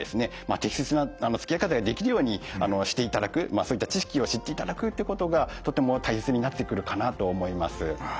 適切なつきあい方ができるようにしていただくそういった知識を知っていただくっていうことがとても大切になってくるかなと思います。